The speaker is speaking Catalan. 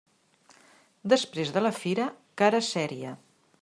Després de la fira, cara seria.